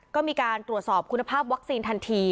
ก็มีการตรวจสอบคุณภาพวัคซีนทันที